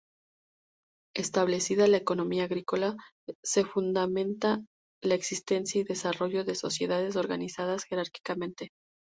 Establecida la economía agrícola, se fundamenta la existencia y desarrollo de sociedades organizadas jerárquicamente.